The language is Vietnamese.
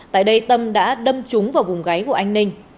tại đây tâm đã đâm trúng vào vùng gáy của anh ninh